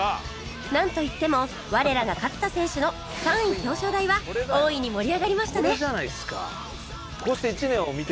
なんといっても我らが勝田選手の３位表彰台は大いに盛り上がりましたね